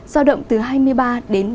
do động từ hai mươi ba đến ba mươi bốn độ